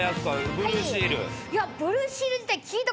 ブルーシール。